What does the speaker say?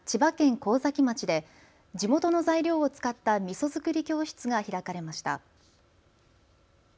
神崎町で地元の材料を使ったみそづくり教室が開かれました。